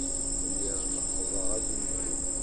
Lliɣ leqqḍeɣ azemmur.